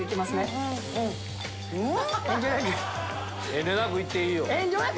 遠慮なくいっていいよ。